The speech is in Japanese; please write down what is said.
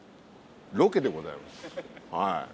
ロケでございます。